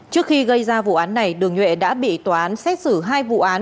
trước khi gây ra vụ án này đường nhuệ đã bị tòa án xét xử hai vụ án